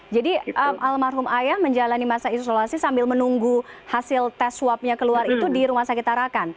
jadi almarhum ayah menjalani swab test sambil menunggu hasil swab testnya keluar itu di rumah sakit tarakan